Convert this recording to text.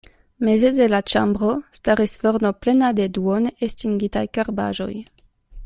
Meze de la ĉambro staris forno plena de duone estingitaj karbaĵoj.